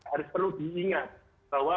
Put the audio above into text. harus diingat bahwa